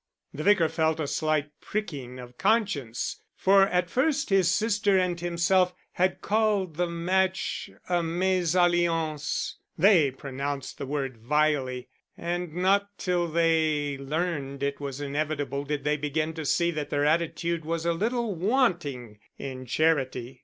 The Vicar felt a slight pricking of conscience, for at first his sister and himself had called the match a mésalliance (they pronounced the word vilely), and not till they learned it was inevitable did they begin to see that their attitude was a little wanting in charity.